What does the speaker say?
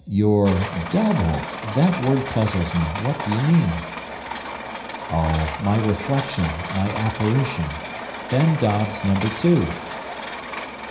"Your DOUBLE! That word puzzles me; what do you mean?" "Oh, my reflection, my apparition. Ben Dobbs number two."